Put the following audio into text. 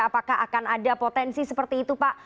apakah akan ada potensi seperti itu pak